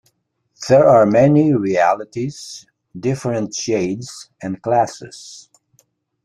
There are many realities, different shades and classes.